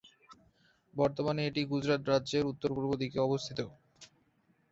বর্তমানে এটি গুজরাট রাজ্যের উত্তর-পূর্ব দিকে অবস্থিত।